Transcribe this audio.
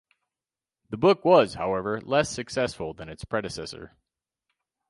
The book was, however, less successful than its predecessor.